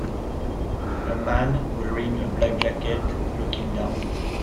A man wearing a black jacket looking down.